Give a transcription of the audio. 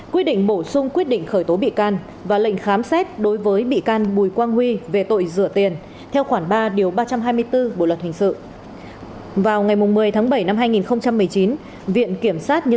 quyết định bổ sung quyết định khởi tố bị can và lệnh khám xét đối với bị can bùi quang huy về tội rửa tiền theo khoản ba điều ba trăm hai mươi bốn bộ luật hình sự